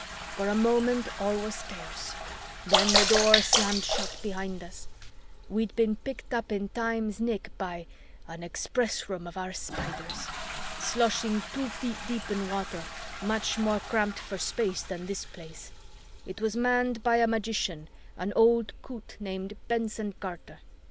"For a moment, all was chaos. Then the Door slammed shut behind us. We'd been picked up in time's nick by an Express Room of our Spiders! sloshing two feet deep in water, much more cramped for space than this Place. It was manned by a magician, an old coot named Benson Carter.